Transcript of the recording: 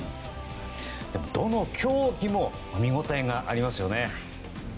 どの競技も見応えがありますよね。